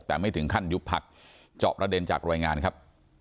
แต่ไม่ถึงขั้นยุบพักจอบประเด็นจากรายงานครับ